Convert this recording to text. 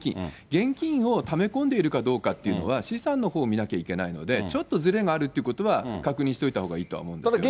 現金をため込んでいるかどうかっていうのは、資産のほう見なきゃいけないので、ちょっとずれがあるっていうことは確認しておいたほうがいいと思うんですよね。